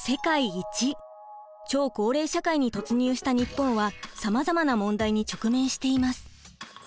超高齢社会に突入した日本はさまざまな問題に直面しています。